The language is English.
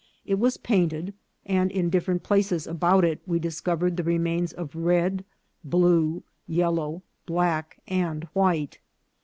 It was painted, and in differ ent places about it we discovered the remains of red, blue, yellow, black, and white.